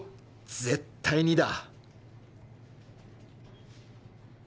絶対にだ！